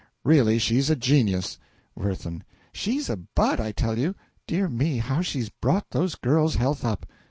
Really, she's a genius! WIRTHIN. She's a bud, I tell you! Dear me, how she's brought those girls' health up!